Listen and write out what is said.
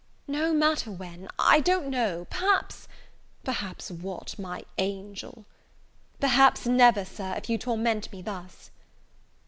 "No matter when, I don't know, perhaps " "Perhaps what, my angel?" "Perhaps never, Sir, if you torment me thus."